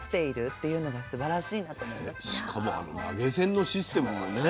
しかもあの投げ銭のシステムもね。